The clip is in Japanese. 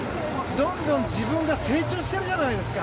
どんどん自分が成長しているじゃないですか。